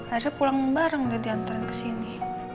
ada pulang bareng udah diantaran kesini